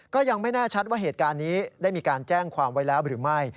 ก็ยังไม่แน่ชัดว่าเหตุการณ์นี้ได้มีการแจ้งความไว้แล้วหรือไม่